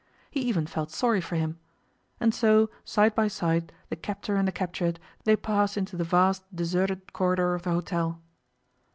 He even felt sorry for him. And so, side by side, the captor and the captured, they passed into the vast deserted corridor of the hotel.